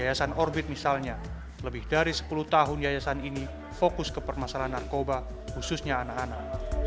yayasan orbit misalnya lebih dari sepuluh tahun yayasan ini fokus ke permasalahan narkoba khususnya anak anak